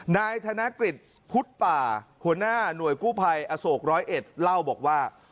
นายธนกฤษพุทธป่าหัวหน้าหน่วยกู้ภัยอโศกร้อยเอ็ดเล่าบอกว่า